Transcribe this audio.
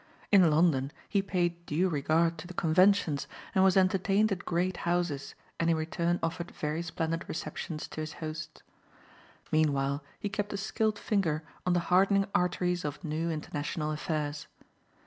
In London he paid due regard to the conventions and was entertained at great houses and in return offered very splendid receptions to his hosts. Meanwhile he kept a skilled finger on the hardening arteries of new international affairs.